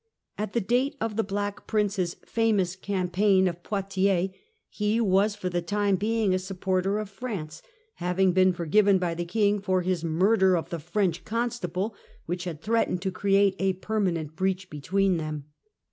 At the date of the Black Prince's famous campaign of Poitiers he was for the time being a supporter of France, having been forgiven by the King for his murder of the French constable, which had threatened to create a permanent breach between them.